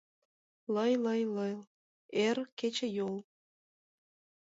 Лый-лый-лый — эр кечыйол.